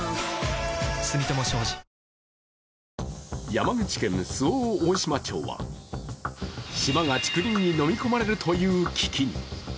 山口県周防大島町は島が竹林にのみ込まれるという危機に。